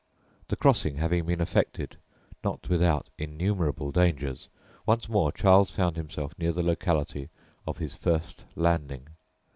The crossing having been effected, not without innumerable dangers, once more Charles found himself near the locality of his first landing.